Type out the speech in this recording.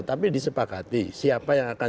tapi disepakati siapa yang akan